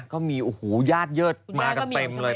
ก็มียาดเยิ่ดมากันเต็มเลย